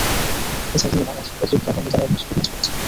এছাড়া তিনি বাংলাদেশের অতিরিক্ত অ্যাটর্নি জেনারেল হিসাবে কাজ করেছেন।